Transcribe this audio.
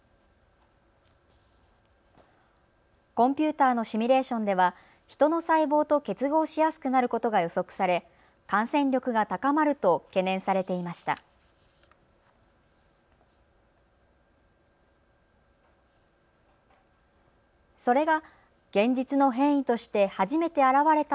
コンピューターのシミュレーションでは人の細胞と結合しやすくなることが予測され感染力が高まると懸念されていました。